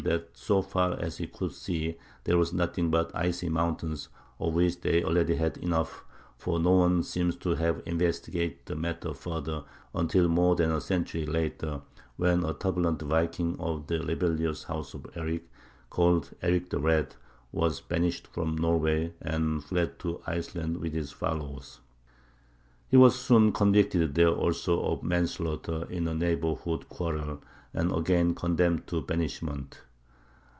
that so far as he could see there was nothing but icy mountains, of which they already had enough, for no one seems to have investigated the matter further until more than a century later, when a turbulent viking of the rebellious house of Erik, called Erik the Red, was banished from Norway and fled to Iceland with his followers. He was soon convicted there also of manslaughter in a neighborhood quarrel, and again condemned to banishment.